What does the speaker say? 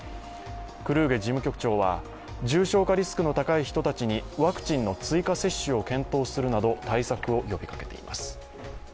クルーゲ事務局長は、重症化リスクの高い人たちにワクチンの追加接種を検討するなど対策を呼びかけています。